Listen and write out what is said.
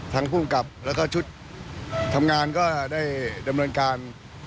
ภูมิกับแล้วก็ชุดทำงานก็ได้ดำเนินการ